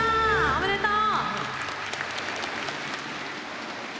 おめでとう！